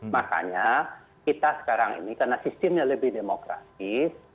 makanya kita sekarang ini karena sistemnya lebih demokratis